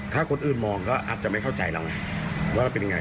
ถ้าคนอื่นมองก็อาจจะไม่เข้าใจเราไงว่าเราเป็นยังไง